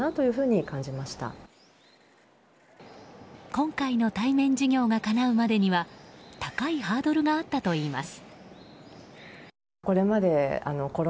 今回の対面授業がかなうまでには高いハードルがあったといいます。